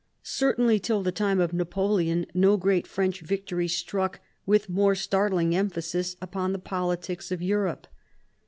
Certainly till the time of Napoleon no great French victory struck with more startling emphasis upon the politics of Europe.